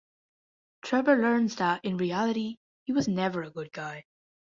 Trevor learns that in reality he was never a good guy.